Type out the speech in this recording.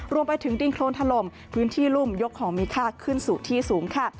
รวมไปถึงดินโครนถล่มพื้นที่รุ่มยกของมีค่าขึ้นสู่ที่สูงค่ะ